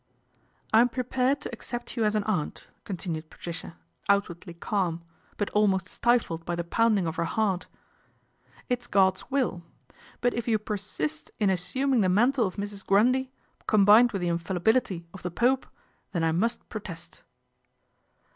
" I am prepared to accept you as an aunt," continued Patricia, outwardly calm; but almost stifled by the pounding of her heart. " It is God's will ; but if you persist in assuming the mantle of Mrs. Grundy, combined with the Infallibility of the Pope, then I must protest."